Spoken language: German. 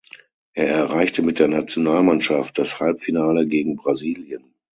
Er erreichte mit der Nationalmannschaft das Halbfinale gegen Brasilien.